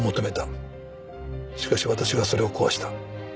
しかし私がそれを壊した。